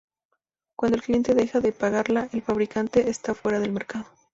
Cuando el cliente deja de pagarla, el fabricante está fuera del mercado.